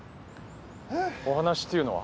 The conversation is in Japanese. お話っていうのは？